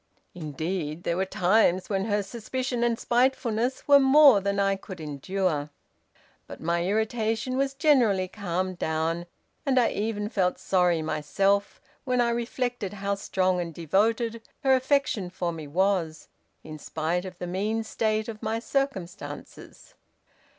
Indeed, there were times when her suspicion and spitefulness were more than I could endure. But my irritation was generally calmed down, and I even felt sorry myself, when I reflected how strong and devoted her affection for me was, in spite of the mean state of my circumstances.